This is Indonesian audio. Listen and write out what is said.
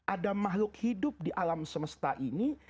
ada makhluk hidup di alam semesta ini